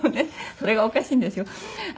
それがおかしいんですよ。